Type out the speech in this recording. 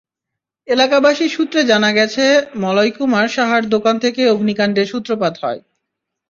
এলাকাবাসী সূত্রে জানা গেছে, মলয় কুমার সাহার দোকান থেকে অগ্নিকাণ্ডের সূত্রপাত হয়।